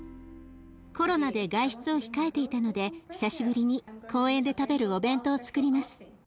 コロナで外出を控えていたので久しぶりに公園で食べるお弁当をつくります。